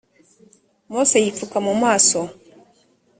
mose yipfuka mu maso